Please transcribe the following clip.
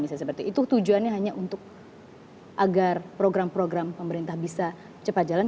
itu tujuannya hanya untuk agar program program pemerintah bisa cepat jalan